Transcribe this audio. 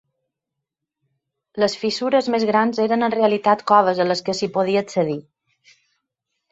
Les fissures més grans eren en realitat coves a les que s'hi podia accedir.